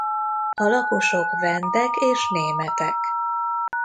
A lakosok vendek és németek.